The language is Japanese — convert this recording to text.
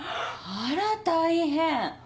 あら大変！